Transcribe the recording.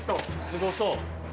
すごそう。